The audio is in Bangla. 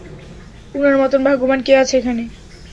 উনার মতোন ভাগ্যবান কে আছে এখানে।